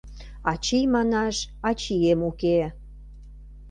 «Ачий» манаш, ачием уке